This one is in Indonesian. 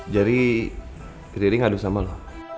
jadi rini ngadu sama lo